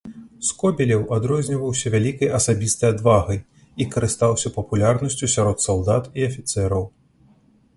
Скобелеў адрозніваўся вялікай асабістай адвагай і карыстаўся папулярнасцю сярод салдат і афіцэраў.